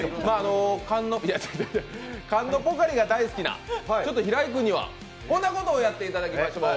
缶のポカリが大好きな平井君にはこんなことをやっていただきましょう。